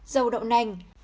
dầu đậu nành